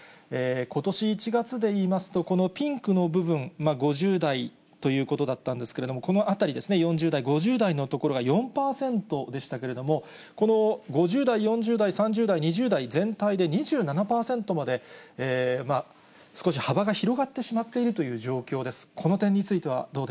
ことし１月でいいますと、このピンクの部分、５０代ということだったんですけれども、このあたりですね、４０代、５０代のところが４％でしたけれども、この５０代、４０代、３０代、２０代、全体で２７％まで、少し幅が広がってしまっているという状況です。